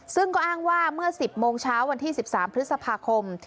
ซึ่งก็อ้างว่าเมื่อ๑๐โมงเช้าวันที่๑๓พฤษภาคม